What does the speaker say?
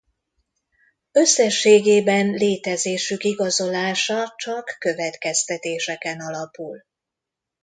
Összességében létezésük igazolása csak következtetéseken alapul.